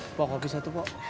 bapak kopi satu pak